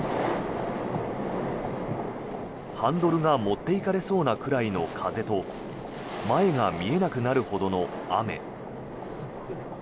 ハンドルが持っていかれそうなくらいの風と前が見えなくなるほどの雨。